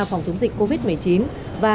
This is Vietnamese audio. phòng chống dịch covid một mươi chín và